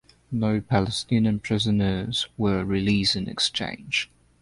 No Palestinian prisoners were released in exchange.